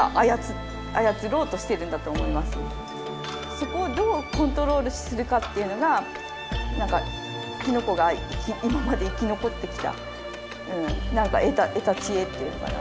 そこをどうコントロールするかっていうのがきのこが今まで生き残ってきた何か得た知恵っていうのかな